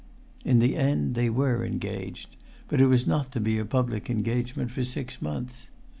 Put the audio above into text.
In the end they were engaged, but it was not to be a public engagement for six months.